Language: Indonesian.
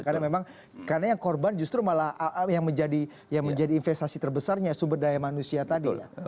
karena memang karena yang korban justru malah yang menjadi investasi terbesarnya sumber daya manusia tadi ya